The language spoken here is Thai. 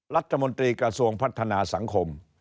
รัฐมนตรีกระทรวงพัฒนาสังคม